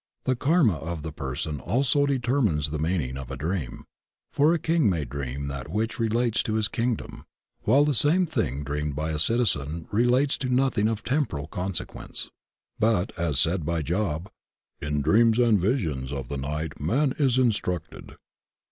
The karma of the person also determines the meaning of a dream, for a king may dream that which relates to his kingdom, while the same thing dreamed by a citizen relates to nothing of temporal consequence. But, as said by Job: ''In dreams and visions of the night man is in structed."